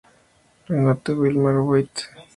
Renate Hilmar-Voit.